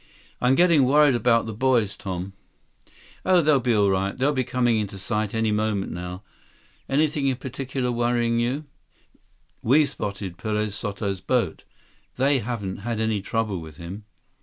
"I'm getting worried about the boys, Tom." "Oh, they'll be all right. They'll be coming into sight any moment now. Anything in particular worrying you? We've spotted Perez Soto's boat. They haven't had any trouble with him."